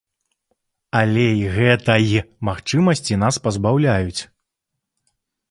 Але і гэтай магчымасці нас пазбаўляюць.